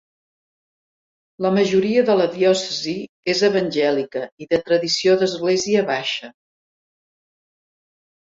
La majoria de la diòcesi és evangèlica i de tradició d'església baixa.